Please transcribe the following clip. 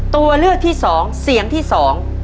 ตัวเลือกที่สองเสียงที่สอง